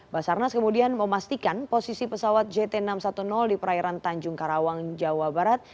basarnas kemudian memastikan posisi pesawat jt enam ratus sepuluh di perairan tanjung karawang jawa barat